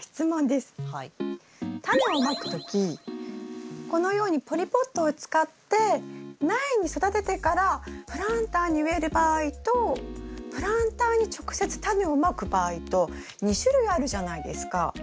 タネをまく時このようにポリポットを使って苗に育ててからプランターに植える場合とプランターに直接タネをまく場合と２種類あるじゃないですか？